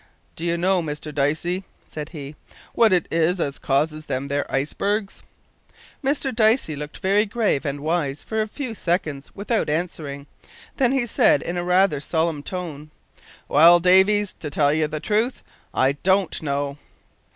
"Do you know, Mr Dicey," said he, "wot it is as causes them there ice bergs?" Mr Dicey looked very grave and wise for a few seconds without answering. Then he said, in rather a solemn tone, "Well, Davis, to tell you the real truth, I don't know!"